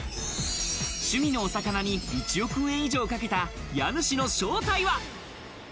趣味のお魚に１億円以上かけた家主の正体は。